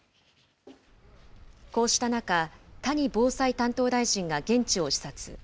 こうした中、谷防災担当大臣が現地を視察。